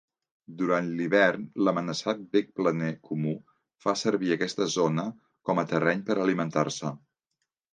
Durant l'hivern, l'amenaçat becplaner comú fa servir aquesta zona com a terreny per alimentar-se.